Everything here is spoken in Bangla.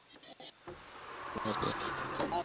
আমার হাত এত কাঁপতো যে, আমি লক্ষ্যে আঘাত করতে পারতাম না।